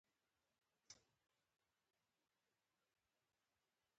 هغه لغتونه چي د ولي څخه وروسته راځي؛ سوفیکس ور ته وایي.